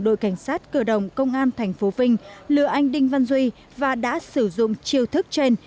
đội cảnh sát cơ động công an tp vinh lừa anh đinh văn duy và đã sử dụng chiêu thức trên